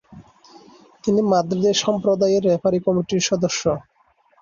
তিনি মাদ্রিদের সম্প্রদায়ের রেফারি কমিটির সদস্য।